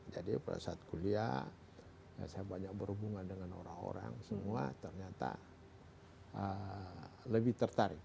jadi pada saat kuliah saya banyak berhubungan dengan orang orang semua ternyata lebih tertarik